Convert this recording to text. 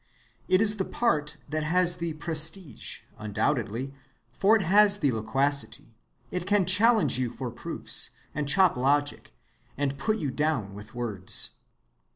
It is the part that has the prestige undoubtedly, for it has the loquacity, it can challenge you for proofs, and chop logic, and put you down with words.